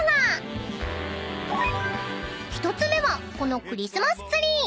［１つ目はこのクリスマスツリー］